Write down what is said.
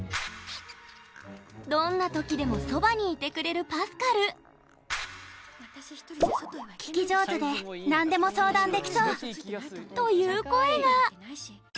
どんな時でもそばにいてくれるパスカルという声が！